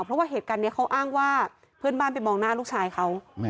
เพราะว่าเหตุการณ์นี้เขาอ้างว่าเพื่อนบ้านไปมองหน้าลูกชายเขา